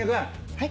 はい？